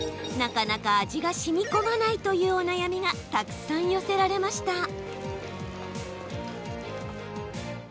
なかなか味がしみこまないというお悩みがたくさん寄せられました。